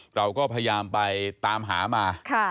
เราก็พยายามไปตามหามา